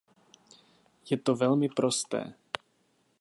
Je to velmi prosté.